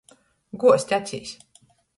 Guozt acīs.